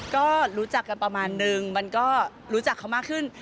ก็รู้จักกันประมาณนึงมันก็รู้จักเขามากขึ้น